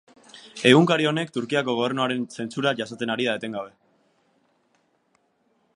Egunkari honek Turkiako gobernuaren zentsura jasaten ari da etengabe.